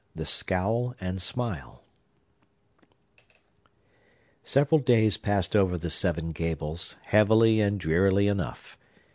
The Scowl and Smile Several days passed over the Seven Gables, heavily and drearily enough.